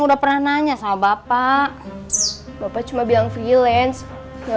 kayaknya makanya kan rasanya kematilan magda